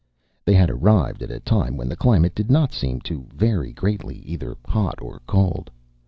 They had arrived at a time when the climate did not seem to vary greatly, either hot or cold.